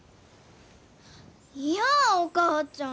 いやお母ちゃん！